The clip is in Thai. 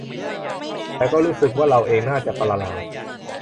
แต่ก็รู้สึกว่าเราเองน่าจะประหลาด